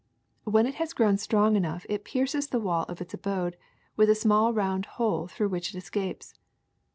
When it has grown strong enough it pierces the wall of its abode with a small round hole through which it escapes.